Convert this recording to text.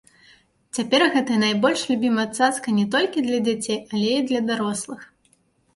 Цяпер гэта найбольш любімая цацка не толькі для дзяцей, але і для дарослых.